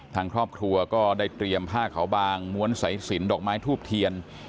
ทางครอบครัวก็ได้เตรียมผ้าขาวบางม้วนสายสินดอกไม้ทูบเทียน